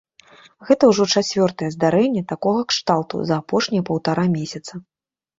Гэта ўжо чацвёртае здарэнне такога кшталту за апошнія паўтара месяца.